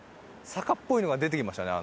坂っぽいのが出てきましたね。